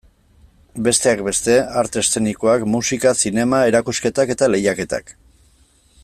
Besteak beste, arte eszenikoak, musika, zinema, erakusketak eta lehiaketak.